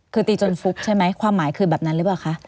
คือตีจนฟุบใช่ไหมความหมายคือแบบนั้นหรือเปล่าคะ